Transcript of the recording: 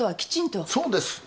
そうです。